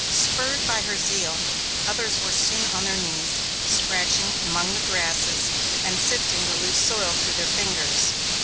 Spurred by her zeal, others also were soon on their knees, scratching among the grasses and sifting the loose soil through their fingers.